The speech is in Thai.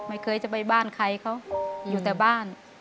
ไม่เคยจะไปบ้านใครเขาอยู่แต่บ้าน